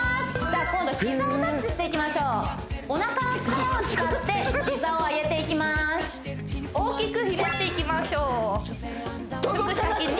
じゃあ今度膝をタッチしていきましょうお腹の力を使って膝を上げていきます大きくひねっていきましょう届かなくていいんですよね？